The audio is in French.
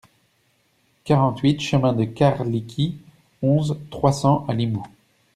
quarante-huit chemin de Carliqui, onze, trois cents à Limoux